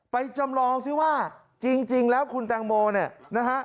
จำลองซิว่าจริงแล้วคุณแตงโมเนี่ยนะฮะ